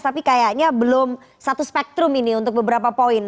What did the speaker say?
tapi kayaknya belum satu spektrum ini untuk beberapa poin